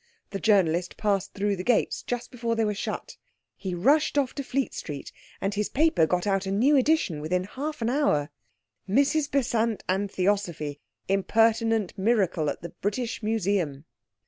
The journalist passed through the gates just before they were shut. He rushed off to Fleet Street, and his paper got out a new edition within half an hour. MRS BESANT AND THEOSOPHY IMPERTINENT MIRACLE AT THE BRITISH MUSEUM.